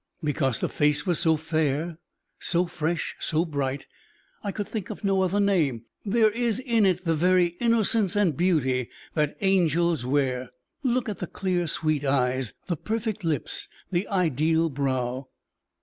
'" "Because the face was so fair, so fresh, so bright. I could think of no other name. There is in it the very innocence and beauty that angels wear. Look at the clear, sweet eyes, the perfect lips, the ideal brow."